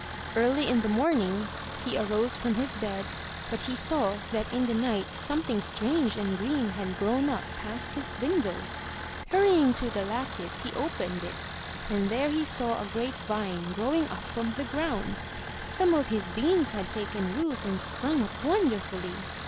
Early in the morning, he arose from his bed, but he saw that in the night something strange and green had grown up past his window. Hurrying to the lattice he opened it, and there he saw a great vine growing up from the ground. Some of his beans had taken root and sprung up wonderfully.